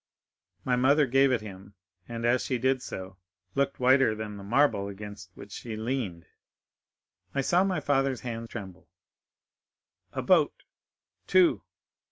My mother gave it him, and as she did so, looked whiter than the marble against which she leaned. I saw my father's hand tremble. 'A boat!—two!